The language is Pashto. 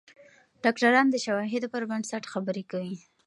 ډاکتران د شواهدو پر بنسټ خبرې کوي.